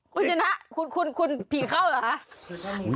คุณคุณคุณผีเข้าหรอ